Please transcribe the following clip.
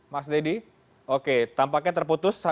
mas deddy oke tampaknya terputus